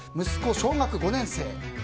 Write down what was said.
息子小学５年生。